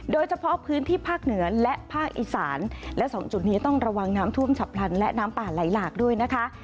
โดยเฉพาะพื้นที่ภาคเหนือและภาคอีสานและสองจุดนี้ต้องระวังน้ำท่วมฉับพลันและน้ำป่าไหลหลากด้วยนะคะ